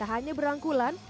tak hanya berangkulan